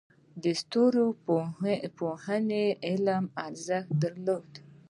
د ستورپوهنې علم ارزښت درلود